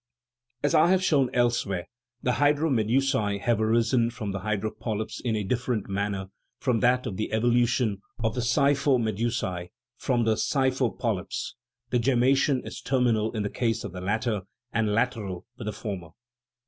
As I have shown elsewhere, the hydromedusae have arisen from the hydropolyps in a different manner from that of the evo lution of the scyphomedusae from the scyphopolyps ; the gemmation is terminal in the case of the latter, and lateral with the former.